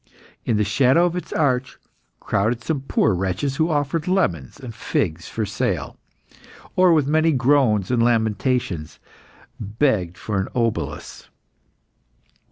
In the shadow of its arch, crowded some poor wretches, who offered lemons and figs for sale, or with many groans and lamentations, begged for an obolus.